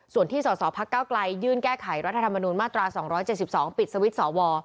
ส่วนที่สสพักเก้าไกลยื่นแก้ไขรัฐธรรมนูญมาตรา๒๗๒ปิดสวิตช์สว